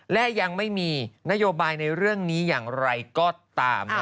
และยังไม่มีนโยบายในเรื่องนี้อย่างไรก็ตาม